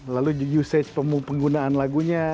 lalu usage penggunaan lagunya